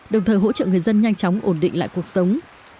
đồng thời hỗ trợ người dân nhanh chóng ổn định lại cuộc sống